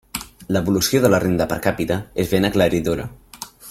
L'evolució de la renda per càpita és ben aclaridora.